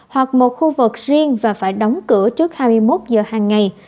hoặc một khu vực riêng và phải đóng cửa trước hai mươi một giờ hàng ngày